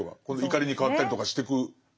怒りに変わったりとかしてく。